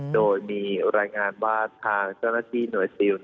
โดยมีรายงานว่าทางเจ้าหน้าที่หน่วยซิล